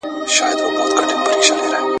که هلمند کي فابریکي جوړې شي، ځوانان به کار ومومي.